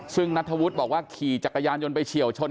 ซึ่งนัทธวุฒิบอกว่าขี่จักรยานยนต์ไปเฉียวชน